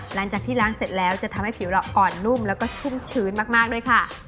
หลังจากที่ล้างเสร็จแล้วจะทำให้ผิวเราอ่อนนุ่มแล้วก็ชุ่มชื้นมากด้วยค่ะ